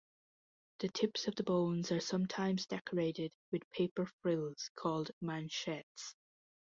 The tips of the bones are sometimes decorated with paper frills called manchettes.